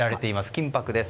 金箔です。